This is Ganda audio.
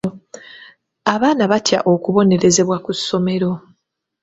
Abaana batya okubonerezebwa ku ssomero.